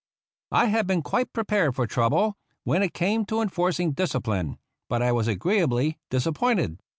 I had been quite prepared for trouble when it came to enforcing discipline, but I was agreeably disappointed.